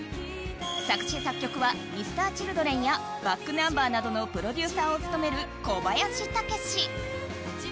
作詞・作曲はＭｒ．Ｃｈｉｌｄｒｅｎやｂａｃｋｎｕｍｂｅｒなどのプロデューサーを務める小林武史。